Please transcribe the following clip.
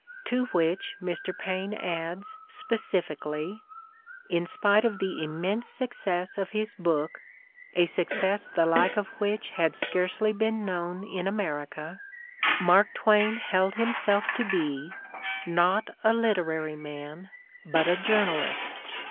To which Mr. Paine adds, specifically: '"In spite of the immense success of his book — a success the like of which had scarcely been known in America — ^Mark Twain held himself to be, not a literary man, but a journalist.